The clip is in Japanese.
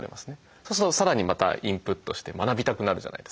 そうするとさらにまたインプットして学びたくなるじゃないですか。